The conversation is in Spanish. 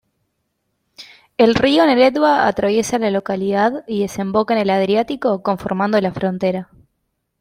El río Neretva atraviesa la localidad y desemboca en el Adriático conformando la frontera.